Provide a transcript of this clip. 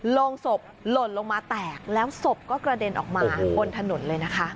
โรงศพหล่นลงมาแตกแล้วศพก็กระเด็นออกมาบนถนนเลยนะคะ